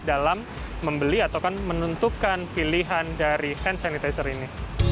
dalam membeli atau menentukan pilihan dari hand sanitizer ini